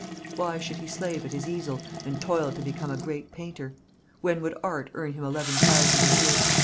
Why should he slave at his easel, and toil to become a great painter? When would art earn him eleven thousand a year?